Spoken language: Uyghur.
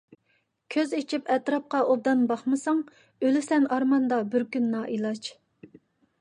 كۆز ئېچىپ ئەتراپقا ئوبدان باقمىساڭ، ئۆلىسەن ئارماندا بىر كۈن نائىلاج.